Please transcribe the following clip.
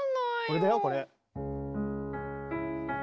これだよこれ。